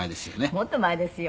「もっと前ですよ」